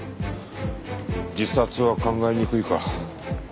自殺は考えにくいか。